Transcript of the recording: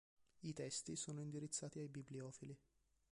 I testi sono indirizzati ai bibliofili.